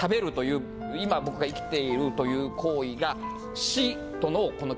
今僕が生きているという。